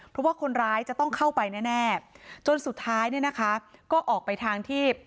เพราะว่าคนร้ายจะต้องเข้าไปแน่จนสุดท้ายเนี่ยนะคะก็ออกไปทางที่